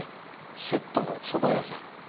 セットの蕎麦屋さん